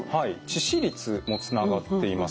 致死率もつながっています。